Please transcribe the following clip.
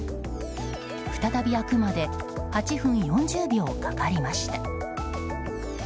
再び開くまで８分４０秒かかりました。